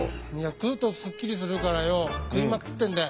食うとスッキリするからよ食いまくってんだよ。